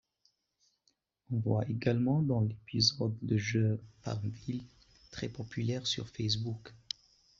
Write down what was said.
On voit également dans l'épisode le jeu FarmVille, très populaire sur Facebook.